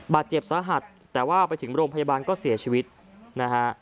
บาดเจ็บสาหัสแต่ว่าไปถึงโรงพยาบาลก็เสียชีวิตนะฮะ